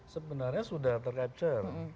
sebenarnya sudah tercapture